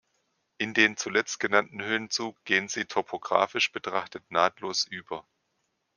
In den zuletzt genannten Höhenzug gehen sie topografisch betrachtet nahtlos über.